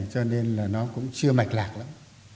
cho nên là nó cũng chưa mạch lạc lắm